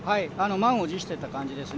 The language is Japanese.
満を持してという感じですね。